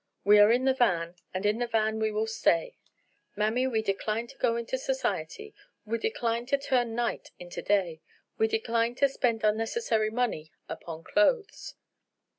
We are in the van, and in the van we will stay. Mammy, we decline to go into society, we decline to turn night into day, we decline to spend unnecessary money upon clothes."